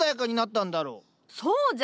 そうじゃ。